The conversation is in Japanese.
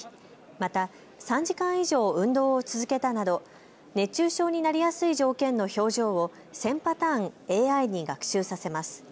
また３時間以上運動を続けたなど熱中症になりやすい条件の表情を１０００パターン、ＡＩに学習させます。